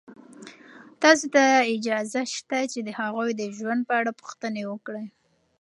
تاسو ته اجازه شته چې د هغوی د ژوند په اړه پوښتنې وکړئ.